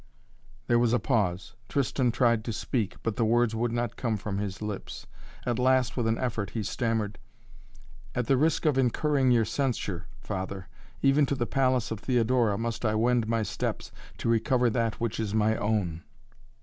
There was a pause. Tristan tried to speak, but the words would not come from his lips. At last with an effort he stammered: "At the risk of incurring your censure, Father even to the palace of Theodora must I wend my steps to recover that which is my own."